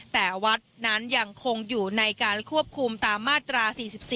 แต่วัดนั้นยังคงอยู่ในการควบคุมตามมาตรา๔๔